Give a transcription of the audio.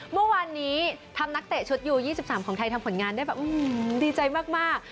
เมื่อวานนี้ทำนักเตะชุดยู๒๓ของไทยทำผลงานได้แบบดีใจมาก